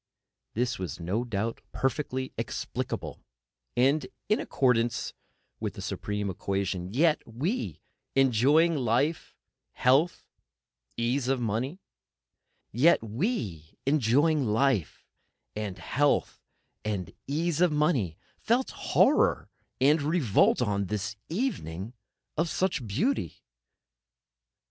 This was no doubt perfectly explicable and in accordance with the Supreme Equation; yet we, enjoying life, and health, and ease of money, felt horror and revolt on, this evening of such beauty.